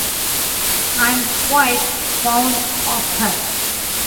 I'm quite fond of her.